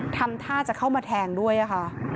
ทำท่าจะเข้ามาแทงด้วยค่ะ